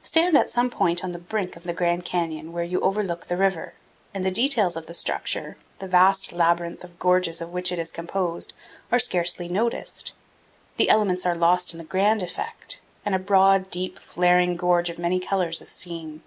Stand at some point on the brink of the Grand Canyon where you can overlook the river, and the details of the structure, the vast labyrinth of gorges of which it is composed, are scarcely noticed; the elements are lost in the grand effect, and a broad, deep, flaring gorge of many colors is seen.